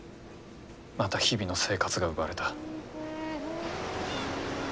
また日々の生活が奪われた。